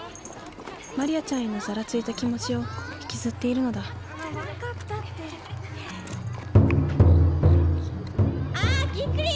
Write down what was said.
マリアちゃんへのザラついた気持ちを引きずっているのだあっキクリン！